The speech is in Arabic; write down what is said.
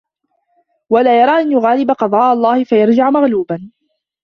وَلَا يَرَى أَنْ يُغَالِبَ قَضَاءَ اللَّهِ فَيَرْجِعُ مَغْلُوبًا